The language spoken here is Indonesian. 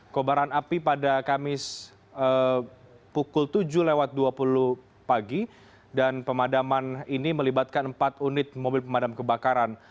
kobaran api pada kamis pukul tujuh lewat dua puluh pagi dan pemadaman ini melibatkan empat unit mobil pemadam kebakaran